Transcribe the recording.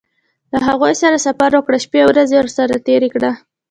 له هغوی سره سفر وکړه شپې او ورځې ورسره تېرې کړه.